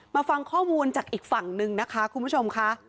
ฟังข้อมูลจากอีกฝั่งนึงนะคะคุณผู้ชมค่ะ